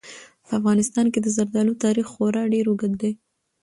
په افغانستان کې د زردالو تاریخ خورا ډېر اوږد دی.